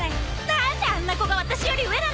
何であんな子が私より上なの⁉